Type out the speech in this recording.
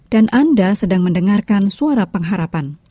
dan anda sedang mendengarkan suara pengharapan